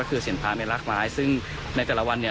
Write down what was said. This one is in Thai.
คือเสียงพังในรากไม้ซึ่งในแต่ละวัน